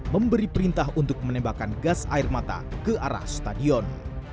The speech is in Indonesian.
memberi perintah untuk menembakkan gas air mata ke arah stadion